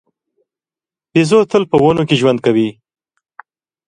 بیزو تل په ونو کې ژوند کوي.